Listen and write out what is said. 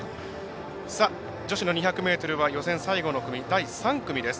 女子の２００ｍは予選最後の組第３組です。